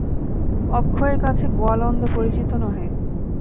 অক্ষয়ের কাছে গোয়ালন্দ পরিচিত নহে।